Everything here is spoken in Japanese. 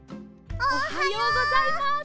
おはようございます。